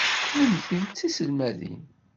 Kennemti d tiselmadin.